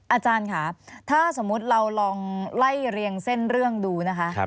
อาจารย์ค่ะถ้าสมมุติเราลองไล่เรียงเส้นเรื่องดูนะคะ